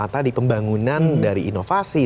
tadi pembangunan dari inovasi